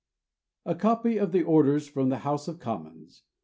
A COPY OF THE ORDER FROM THE HOUSE OF COMMONS.